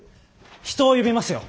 人を呼びますよ。